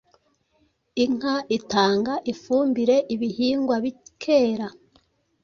Inka itanga ifumbire ibihingwa bikera.